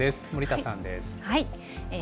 森田さんです。